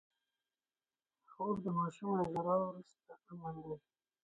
خوب د ماشوم له ژړا وروسته امن دی